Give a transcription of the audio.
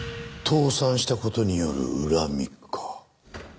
倒産した事による恨みか。